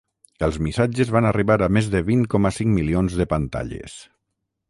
Els missatges van arribar a més de vint coma cinc milions de pantalles.